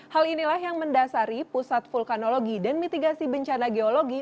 hal inilah yang mendasari pusat vulkanologi dan mitigasi bencana geologi